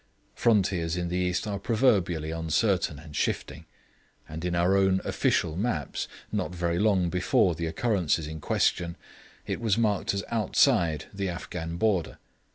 Frontiers in the East are proverbially uncertain and shifting, and in our own official maps, not very long before the occurrences in question, it was marked as outside the Afghan border.